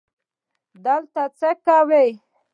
_دلته څه کوو؟